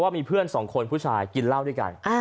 มีเพื่อนสองคนผู้ชายกินเหล้าด้วยกัน